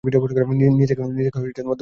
নিজেকে দোষ দেবেন না, জনাব।